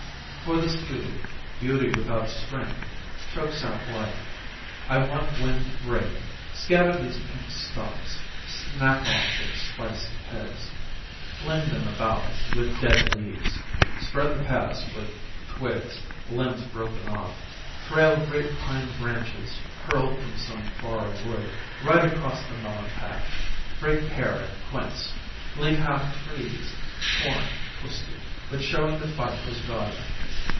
For this beauty, beauty without strength, chokes out life. I want wind to break, scatter these pink stalks, snap off their spiced heads, fling them about with dead leaves spread the paths with twigs, limbs broken off, trail great pine branches, hurled from some far wood right across the melon patch, break pear and quince leave half trees, torn, twisted but showing the fight was valiant.